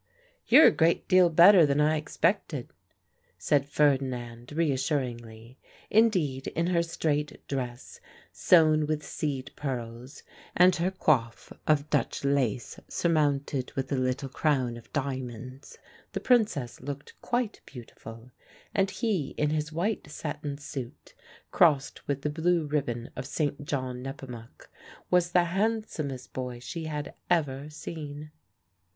"You're a great deal better than I expected," said Ferdinand reassuringly. Indeed, in her straight dress sewn with seed pearls and her coif of Dutch lace surmounted with a little crown of diamonds, the Princess looked quite beautiful; and he in his white satin suit, crossed with the blue ribbon of St. John Nepomuc, was the handsomest boy she had ever seen.